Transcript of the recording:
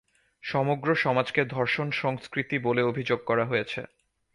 সমগ্র সমাজকে ধর্ষণ সংস্কৃতি বলে অভিযোগ করা হয়েছে।